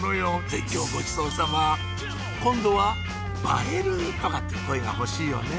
絶叫ごちそうさま今度は「映える！」とかっていう声が欲しいよね